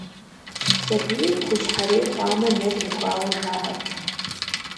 Сабийр хущхьэрей хъуамэ, нэ техуауэ жаӀэрт.